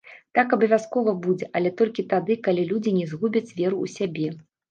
Так абавязкова будзе, але толькі тады, калі людзі не згубяць веру ў сябе.